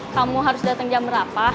kamu harus datang jam berapa